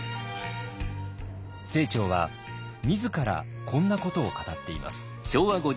清張は自らこんなことを語っています。